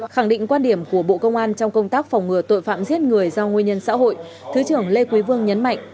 khẳng định quan điểm của bộ công an trong công tác phòng ngừa tội phạm giết người do nguyên nhân xã hội thứ trưởng lê quý vương nhấn mạnh